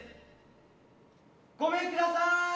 ごめんください。